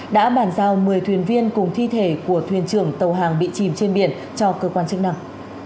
đã bàn giao một mươi thuyền viên cùng thi thể của thuyền trưởng tàu hàng bị chìm trên biển cho cơ quan chức năng